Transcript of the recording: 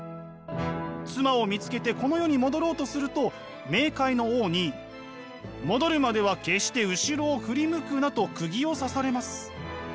妻を見つけてこの世に戻ろうとすると冥界の王に「戻るまでは決して後ろを振り向くな」とくぎを刺されます。